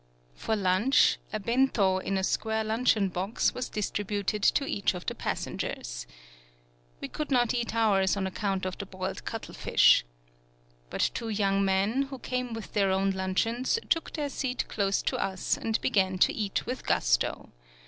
For lunch, a Bento in a square lunch eon box, was distributed to each of the passengers. We could not eat ours on account of the boiled cuttle fish. But two young men, who came with their own luncheons, took their seat close to us, and began to eat with gusto.